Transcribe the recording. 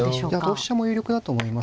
同飛車も有力だと思いますね。